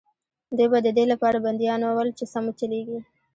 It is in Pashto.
دوی به د دې لپاره بندیانول چې سم وچلېږي.